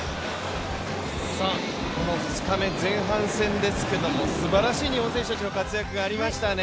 この２日目前半戦ですけどもすばらしい日本選手たちの活躍がありましたね。